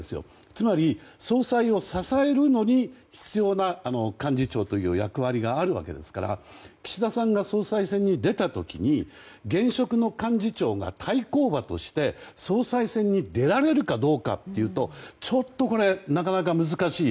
つまり、総裁を支えるのに必要な幹事長という役割があるわけですから岸田さんが総裁選に出た時に現職の幹事長が対抗馬として総裁選に出られるかどうかというとちょっとこれはなかなか難しい。